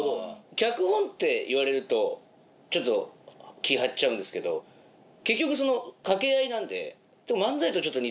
脚本っていわれるとちょっと気張っちゃうんですけど結局その掛け合いなんで漫才とちょっと似てるなと。